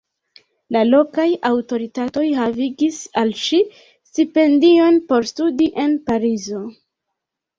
La lokaj aŭtoritatoj havigis al ŝi stipendion por studi en Parizo.